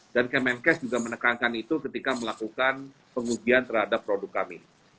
dan kemenkes juga menekankan itu ketika melakukan pengujian terhadap produk kami